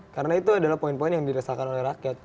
karena itu adalah poin poin yang dirasakan oleh rakyat